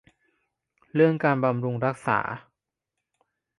เรื่องการบำรุงรักษา